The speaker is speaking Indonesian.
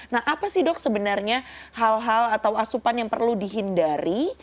nah apa sih dok sebenarnya hal hal atau asupan yang perlu dihindari